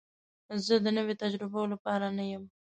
زه د نوي تجربو لپاره نه یم.